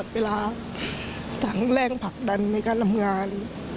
แปลงผลักดันในการลำบงาน